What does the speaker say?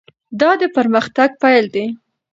دا د پرمختګ پیل دی.